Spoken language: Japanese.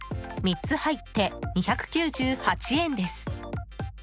３つ入って、２９８円です。